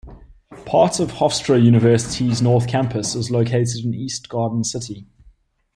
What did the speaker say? Part of Hofstra University's north campus is located in East Garden City.